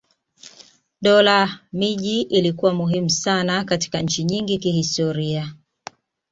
Dola miji ilikuwa muhimu sana katika nchi nyingi kihistoria.